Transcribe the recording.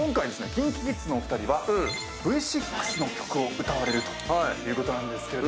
ＫｉｎＫｉＫｉｄｓのお二人はＶ６の曲を歌われるということなんですけど。